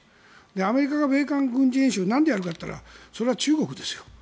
アメリカが米韓軍事演習をなんでやるかといったらそれは中国ですよ。